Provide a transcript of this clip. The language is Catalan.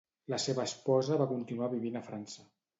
La seva esposa va continuar vivint a França.